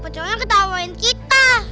pocongnya ketawain kita